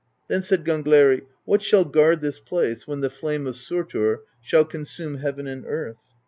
Then said Gangleri :" What shall guard this place, when the flame of Surtr shall consume heaven and earth?"